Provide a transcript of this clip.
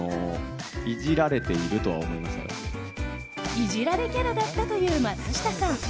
いじられキャラだったという松下さん。